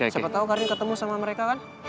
siapa tahu karin ketemu sama mereka kan